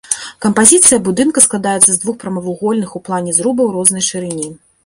Кампазіцыя будынка складаецца з двух прамавугольных у плане зрубаў рознай шырыні.